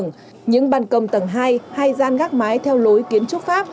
những bàn công tầng hai hay gian gác mái theo lối kiến trúc pháp